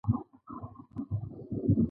ځکه ځمکه په مستقیم ډول په طبیعت کې موجوده ده.